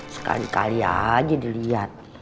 sekali kali aja dilihat